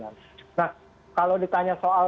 nah kalau ditanya soal